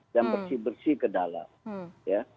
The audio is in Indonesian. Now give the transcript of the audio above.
dan bersih bersih ke dalam